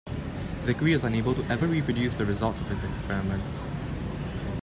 Vicary was unable to ever reproduce the results of his experiments.